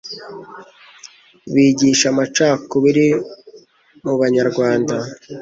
bigisha amacakubiri mu Banyarwanda